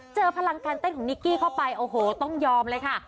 พลังการเต้นของนิกกี้เข้าไปโอ้โหต้องยอมเลยค่ะ